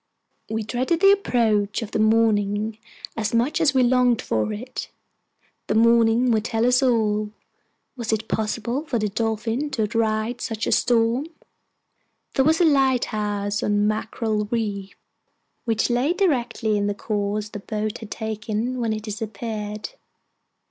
We dreaded the approach of morning as much as we longed for it. The morning would tell us all. Was it possible for the Dolphin to outride such a storm? There was a light house on Mackerel Reef, which lay directly in the course the boat had taken, when it disappeared.